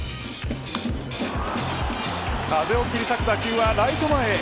風を切り裂く打球はライト前へ。